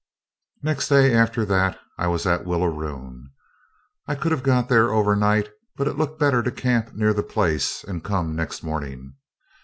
Next day after that I was at Willaroon. I could have got there overnight, but it looked better to camp near the place and come next morning.